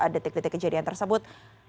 detik detik kejadian tersebut